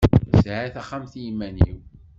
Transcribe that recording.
Sεiɣ taxxamt i iman-iw.